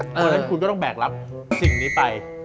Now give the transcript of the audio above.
เพราะฉะนั้นคุณก็ต้องแบกรับสิ่งนี้ไป